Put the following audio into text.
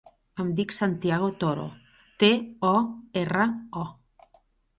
Em dic Santiago Toro: te, o, erra, o.